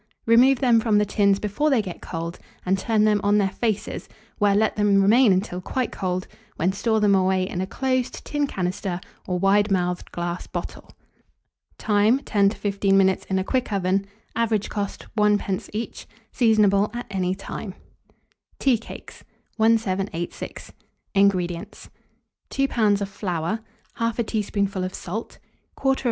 Remove them from the tins before they get cold, and turn them on their faces, where let them remain until quite cold, when store them away in a closed tin canister or wide mouthed glass bottle. Time. 10 to 15 minutes in a quick oven. Average cost, 1d. each. Seasonable at any time. TEA CAKES. 1786. INGREDIENTS. 2 lbs. of flour, 1/2 teaspoonful of salt, 1/4 lb.